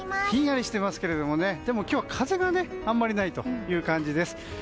ひんやりしていますけれどもでも今日は風があんまりないという感じです。